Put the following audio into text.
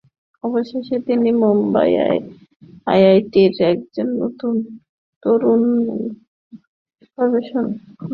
অবশেষে তিনি মুম্বাই আইআইটির একজন তরুণ গবেষকের সঙ্গে আবেদন করে অনুদান পেয়েছেন।